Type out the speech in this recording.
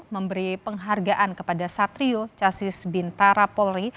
memberi penghargaan kepada satrio casis bintara polri